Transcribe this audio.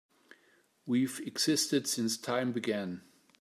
We've existed since time began.